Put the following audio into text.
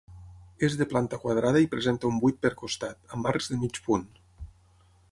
És de planta quadrada i presenta un buit per costat, amb arcs de mig punt.